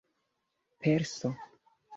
perso